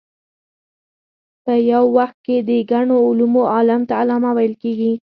په یو وخت کې د ګڼو علومو عالم ته علامه ویل کېږي.